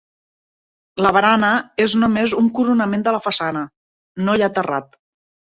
La barana és només un coronament de la façana, no hi ha terrat.